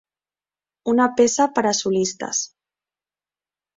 Una peça per a solistes.